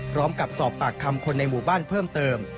พร้อมกับสอบปากคำคนในหมู่บ้านเพิ่มเติม